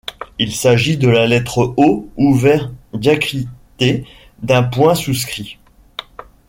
Il s’agit de la lettre O ouvert diacritée d’un point souscrit.